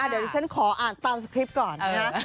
เดี๋ยวที่ฉันขออ่านตามสคริปต์ก่อนนะฮะ